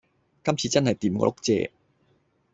今次真係掂過碌蔗